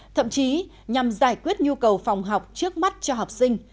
thậm chí nhằm giải quyết nhu cầu phòng học trước mắt cho học sinh